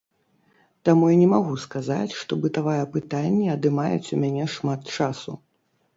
Таму я не магу сказаць, што бытавая пытанні адымаюць у мяне шмат часу.